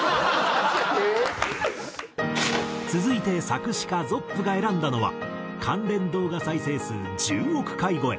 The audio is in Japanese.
続いて作詞家ｚｏｐｐが選んだのは関連動画再生数１０億回超え